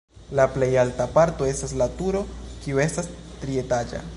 La plej alta parto estas la turo, kiu estas trietaĝa.